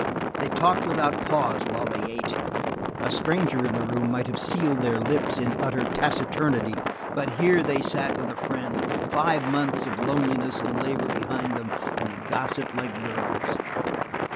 They talked without pause while they ate. A stranger in the room would have sealed their lips in utter taciturnity, but here they sat with a friend, five months of loneliness and labor behind them, and they gossiped like girls.